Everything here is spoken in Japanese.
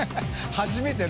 初めての。